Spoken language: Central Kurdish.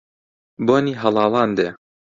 بۆنی هەڵاڵان دێ